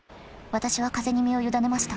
私は風に身を委ねました。